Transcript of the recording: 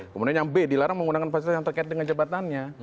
kemudian yang b dilarang menggunakan fasilitas yang terkait dengan jabatannya